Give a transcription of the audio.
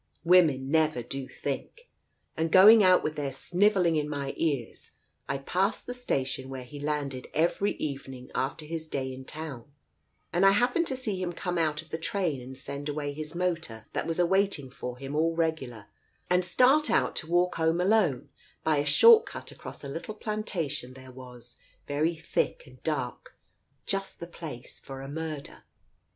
Women never do think. And going out with their snivel ling in my ears, I passed the station where he landed every evening after his day in town, and I happened to see him come out of the train and send away his motor that was a waiting for him all regular, and start out to walk 'ome alone by a short cut across a little plantation there was, very thick and dark, just the place for a murder.